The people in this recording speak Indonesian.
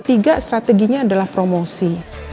tiga strateginya adalah promosi